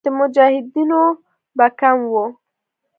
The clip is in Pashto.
د مجاهدینو به کم وو.